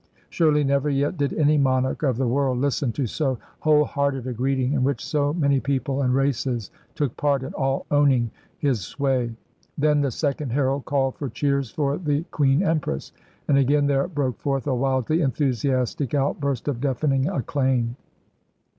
Surely never yet did any monarch of the world listen to so whole hearted a greeting in which so many people and races took part, and all owning his sway! Then the second herald called for cheers for the 257 INDIA Queen Empress, and again there broke forth a wildly enthusiastic outburst of deafening acclaim.